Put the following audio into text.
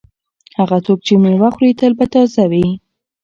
هغه څوک چې مېوه خوري تل به تازه وي.